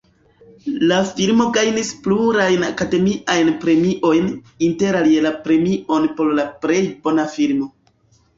La filmo gajnis plurajn Akademiajn Premiojn, interalie la premion por la plej bona filmo.